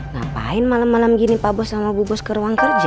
ngapain malam malam gini pak bos sama bu bos ke ruang kerja